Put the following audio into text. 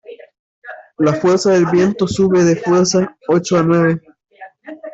la fuerza del viento sube de fuerza ocho a nueve ,